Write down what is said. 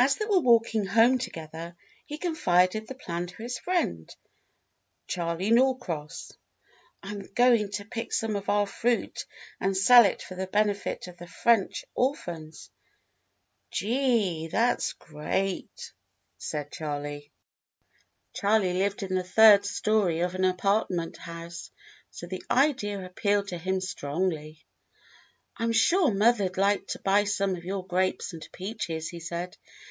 As they were walking home together he confided the plan to his friend, Charley Norcross. "I am go ing to pick some of our fruit and sell it for the benefit of the French orphans." "Gee! That's great!" said Charley. JIM AND THE ORPHANS 109 Charley lived in the third story of an apartment house, so the idea appealed to him strongly. "I'm sure mother 'd hke to buy some of your grapes and peaches," he said.